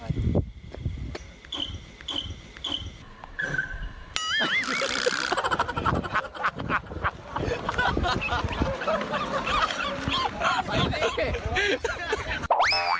เรียกย้ำของคนไทย